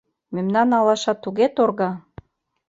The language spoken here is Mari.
Мемнан алаша туге торга.